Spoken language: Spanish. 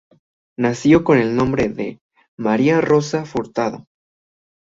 Nació con el nombre de María Rosa Furtado.